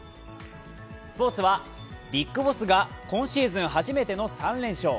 スポーツは、ＢＩＧＢＯＳＳが今シーズン初めての３連勝。